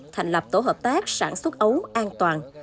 thành lập tổ hợp tác sản xuất ấu an toàn